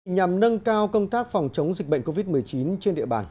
nhằm nâng cao công tác phòng chống dịch bệnh covid một mươi chín trên địa bàn